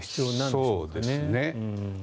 そうですね。